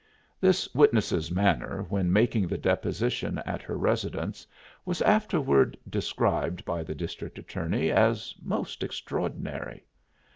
This witness's manner when making the deposition at her residence was afterward described by the district attorney as most extraordinary.